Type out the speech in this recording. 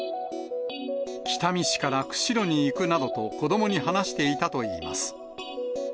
北見市から釧路に行くなどと子どもに話していたといいます。